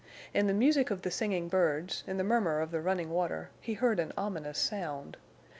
In the music of the singing birds, in the murmur of the running water, he heard an ominous sound.